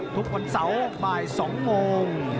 ทุกวันเสาร์บ่าย๒โมง